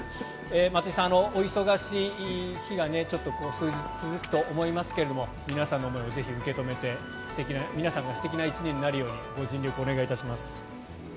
松井さん、お忙しい日がこの数日続くと思いますが皆さんの思いをぜひ受け止めて皆さんが素敵な１年になるようにご尽力をお願いいたします。